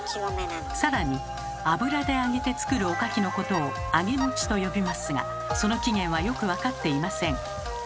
更に油で揚げて作るおかきのことを「あげもち」と呼びますがその起源はよく分かっていません。